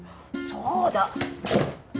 そうだ！